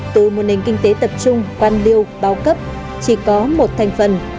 từ một nền kinh tế tập trung quan liêu bao cấp chỉ có một thành phần